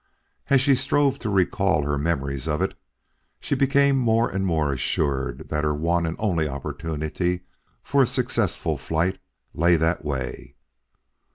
As she strove to recall her memories of it, she became more and more assured that her one and only opportunity for a successful flight lay that way.